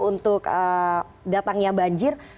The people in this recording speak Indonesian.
untuk datangnya banjir